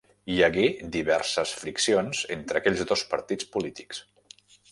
Hi hagué diverses friccions entre aquells dos partits polítics.